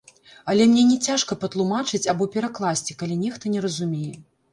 Але мне не цяжка патлумачыць або перакласці, калі нехта не разумее.